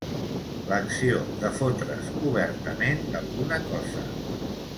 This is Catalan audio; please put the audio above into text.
L'acció de fotre's obertament d'alguna cosa.